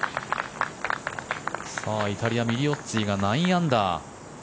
イタリアミリオッツィが９アンダー。